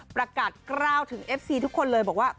ประกาศกล้าวถึงเอฟซีทุกคนเลยบอกว่า